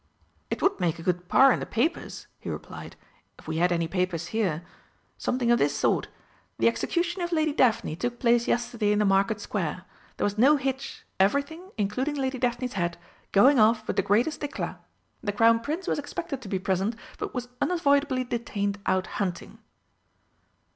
"It would make a good 'par' in the papers," he replied, "if we had any papers here. Something of this sort: 'The execution of Lady Daphne took place yesterday in the Market Square. There was no hitch, everything, including Lady Daphne's head, going off with the greatest éclat. The Crown Prince was expected to be present, but was unavoidably detained out hunting.'...